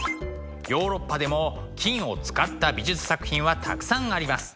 ヨーロッパでも金を使った美術作品はたくさんあります。